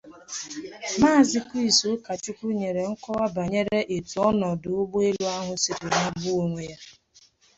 Maazị Chris Ukachukwu nyèrè nkọwa banyere etu ọnọdụ ụgbọelu ahụ siri magbuo onwe ya